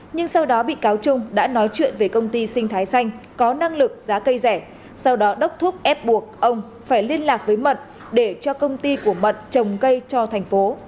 nhưng sau đó bị cáo trung đã nói chuyện về công ty sinh thái xanh có năng lực giá cây rẻ sau đó đốc thuốc ép buộc ông phải liên lạc với mận để cho công ty của mận trồng cây cho thành phố